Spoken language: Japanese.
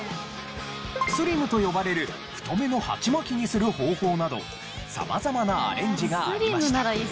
スリムと呼ばれる太めの鉢巻きにする方法など様々なアレンジがありました。